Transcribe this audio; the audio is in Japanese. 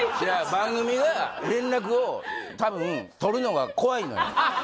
番組が連絡を多分取るのが怖いのよ